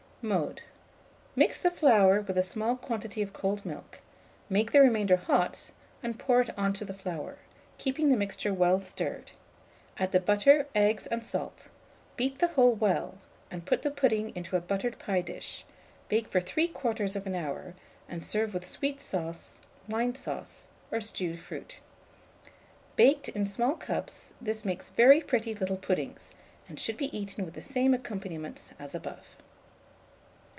Mode. Mix the flour with a small quantity of cold milk; make the remainder hot, and pour it on to the flour, keeping the mixture well stirred; add the butter, eggs, and salt; beat the whole well, and put the pudding into a buttered pie dish; bake for 3/4 hour, and serve with sweet sauce, wine sauce, or stewed fruit. Baked in small cups, this makes very pretty little puddings, and should be eaten with the same accompaniments as above.